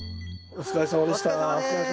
お疲れさまです。